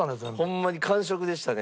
ホンマに完食でしたね。